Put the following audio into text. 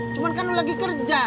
cuman kan lu lagi kerja